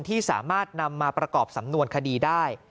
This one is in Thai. ที่สามารถนำมาประกอบสำนวนคดีได้